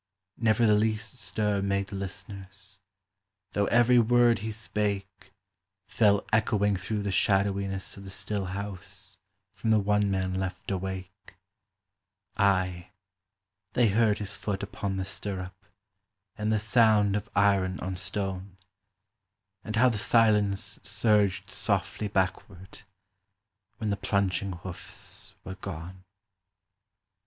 Never the least stir made the listeners, Though every word he spake Fell echoing through the shadowiness of the still house From the one man left awake: Aye, they heard his foot upon the stirrup, And the sound of iron on stone, And how the silence surged softly backward, When the plunging hoofs were gone.